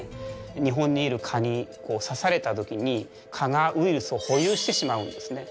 日本にいる蚊に刺された時に蚊がウイルスを保有してしまうんですね。